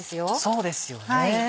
そうですよね。